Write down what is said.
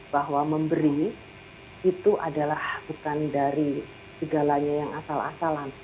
bahwa memberi itu adalah bukan dari segalanya yang asal asalan